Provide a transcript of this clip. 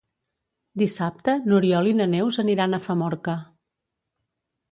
Dissabte n'Oriol i na Neus aniran a Famorca.